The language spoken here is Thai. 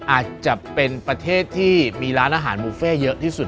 อาจจะเป็นประเทศที่มีร้านอาหารบุฟเฟ่เยอะที่สุด